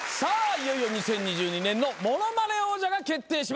いよいよ２０２２年のものまね王者が決定します。